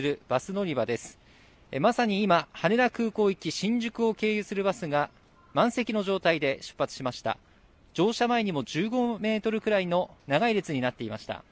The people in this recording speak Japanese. まさに今、羽田空港行き新宿を経由するバスが、満席の状態で出発しました。